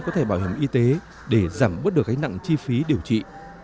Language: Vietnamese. có thể bảo hiểm y tế để giảm bớt được gánh nặng chi phí điều trị